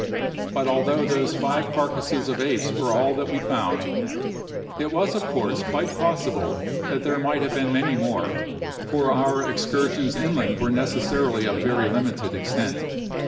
But although those five carcasses of apes were all that we found, it was of course quite possible that there might have been many more, for our excursions inland were necessarily of very limited extent.